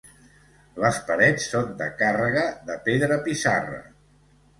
Les parets són de càrrega de pedra pissarra.